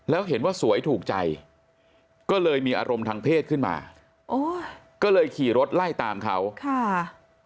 แล้วเห็นว่าสวยถูกใจก็เลยมีอารมณ์ทางเพศขึ้นมา